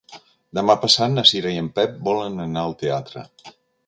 Demà passat na Cira i en Pep volen anar al teatre.